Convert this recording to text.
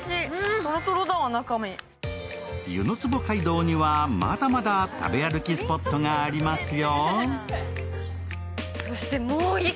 湯の坪街道にはまだまだ食べ歩きスポットがありますよ。